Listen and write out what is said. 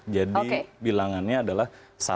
jadi bilangannya adalah